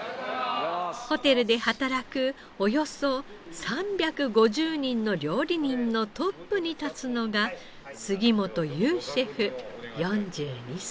ホテルで働くおよそ３５０人の料理人のトップに立つのが杉本雄シェフ４２歳。